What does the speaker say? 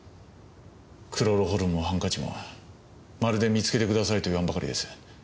クロロホルムもハンカチもまるで見つけてくださいといわんばかりです。